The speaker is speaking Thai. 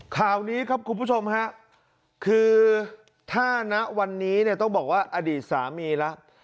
ข่าวนี้ครับคุณผู้ชมฮะคือถ้าณวันนี้เนี่ยต้องบอกว่าอดีตสามีแล้ว